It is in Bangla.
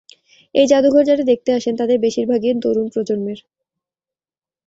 এই জাদুঘর যাঁরা দেখতে আসেন, তাঁদের বেশির ভাগই তরুণ প্রজন্মের।